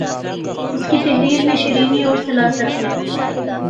اسکی تحریر میں شیرینی اور سلاست ہے